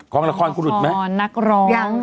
พลาคอลหรือหยุดมั้ยพลาคอลนักร้อง